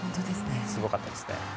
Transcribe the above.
すごかったですね。